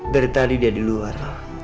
dari tadi dia di luar